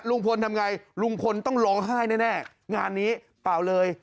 ลุงพลทำไงลุงพลต้องร้องไห้แน่งานนี้เปล่าเลย